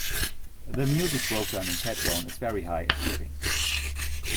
The music program in Kedron is very high achieving.